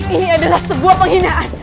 ini adalah sebuah penghinaan